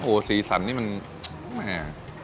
โอ้โหสีสันนี่มันแหม